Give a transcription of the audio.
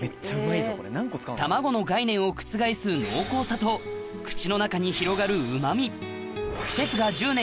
卵の概念を覆す濃厚さと口の中に広がるうま味